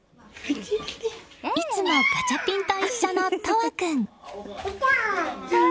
いつもガチャピンと一緒の澄和君。